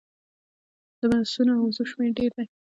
د پسونو او وزو شمیر ډیر دی